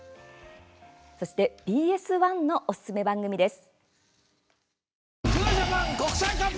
そしてＢＳ１のおすすめ番組です。